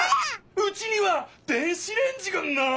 うちには電子レンジがない！